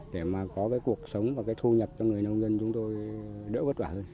để mà có cuộc sống và thu nhập cho người nông dân chúng tôi đỡ vất vả hơn